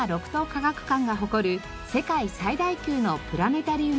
科学館が誇る世界最大級のプラネタリウムドーム。